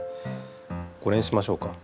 これにしましょうか。